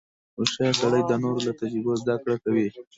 • هوښیار سړی د نورو له تجربو زدهکړه کوي.